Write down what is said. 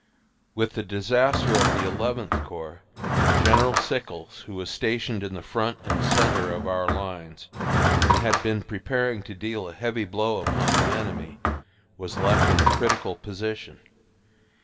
With the disaster of the Eleventh Corps General Sickles, who was stationed in the front and centre of our lines and had been preparing to deal a heavy blow upon the enemy, was left in a critical position.